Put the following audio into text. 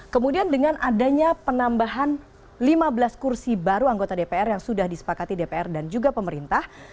kemudian dengan adanya penambahan lima belas kursi baru anggota dpr yang sudah disepakati dpr dan juga pemerintah